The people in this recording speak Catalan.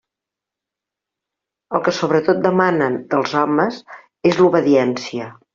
El que sobretot demanen dels homes és l'obediència.